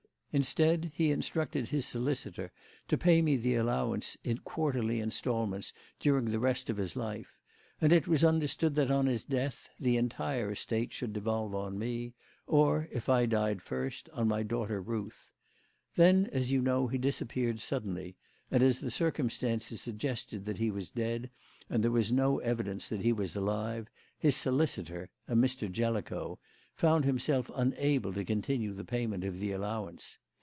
Instead, he instructed his solicitor to pay me the allowance in quarterly instalments during the rest of his life; and it was understood that, on his death, the entire estate should devolve on me, or if I died first, on my daughter Ruth. Then, as you know, he disappeared suddenly, and as the circumstances suggested that he was dead, and there was no evidence that he was alive, his solicitor a Mr. Jellicoe found himself unable to continue the payment of the allowance.